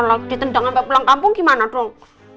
lah ditendang sampai pulang kampung gimana dong